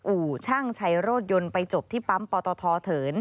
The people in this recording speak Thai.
อู่ช่างใช้รถยนต์ไปจบที่ปั๊มปตทเถิน